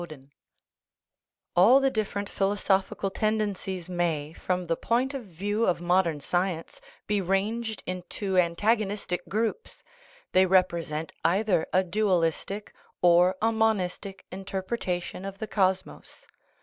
'9 THE RIDDLE OF THE UNIVERSE All the different philosophical tendencies may, from the point of view of modern science, be ranged in two antagonistic groups; they represent either a dualistic or a monistic interpretation of the cosmos.